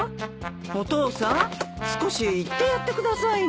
お父さん少し言ってやってくださいな。